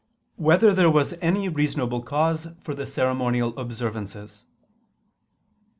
6] Whether There Was Any Reasonable Cause for the Ceremonial Observances?